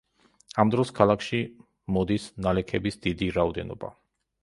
ამ დროს ქალაქში მოდის ნალექების დიდი რაოდენობა.